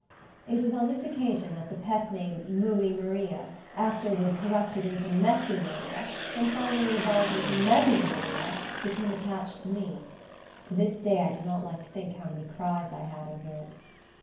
It was on this occasion that the pet name Moolymaria, afterward corrupted into Messymaria, and finally evolved into Meddlymaria, became attached to me. To this day I do not like to think how many cries I had over it.